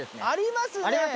ありますね。